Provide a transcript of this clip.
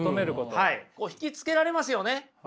引きつけられますよね。